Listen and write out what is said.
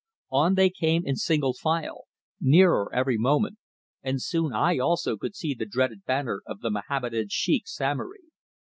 On they came in single file, nearer every moment, and soon I also could see the dreaded banner of the Mohammedan sheikh Samory.